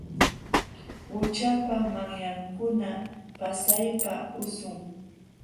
Qućhapa manyankuna pasaypa usum.